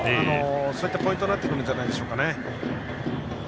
そこがポイントになってくるんじゃないでしょうか。